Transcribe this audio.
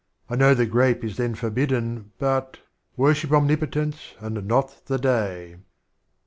I know the Grape is then forbidden, but — Worship Omnipotence, and not the Day.